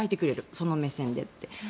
その目線でって。